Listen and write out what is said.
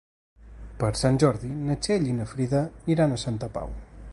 Per Sant Jordi na Txell i na Frida iran a Santa Pau.